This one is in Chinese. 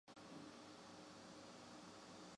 刘粲及后就派靳准杀死刘乂。